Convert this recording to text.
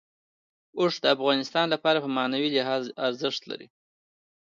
اوښ د افغانانو لپاره په معنوي لحاظ ارزښت لري.